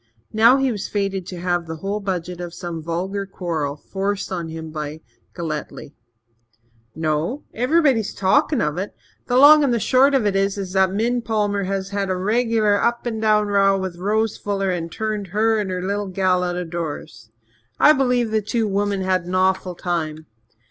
Now he was fated to have the whole budget of some vulgar quarrel forced on him by Galletly. "No? Everyone's talkin' of it. The long and short of it is that Min Palmer has had a regular up and down row with Rose Fuller and turned her and her little gal out of doors. I believe the two women had an awful time.